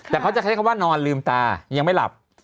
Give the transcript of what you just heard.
แต่เขาจะใช้คำว่านอนลืมตายังไม่หลับ